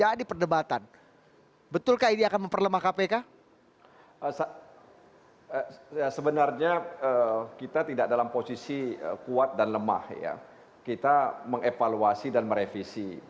kita mengevaluasi dan merevisi